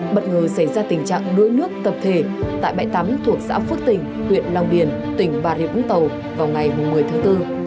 bất ngờ xảy ra tình trạng đuối nước tập thể tại bãi tắm thuộc xã phước tỉnh huyện long điền tỉnh bà rịa vũng tàu vào ngày một mươi tháng bốn